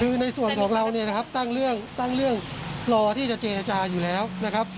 คือในส่วนของเราเนี่ยนะครับตั้งเรื่องตั้งเรื่องรอที่จะเจรจาอยู่แล้วนะครับ